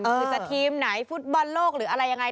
คือจะทีมไหนฟุตบอลโลกหรืออะไรยังไง